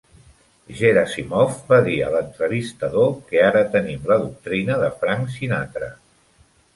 Gerasimov va dir a l'entrevistador que ara tenim la doctrina de Frank Sinatra.